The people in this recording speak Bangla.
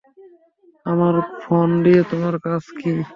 আমার ফোন নিয়ে তোমার কাজ কি?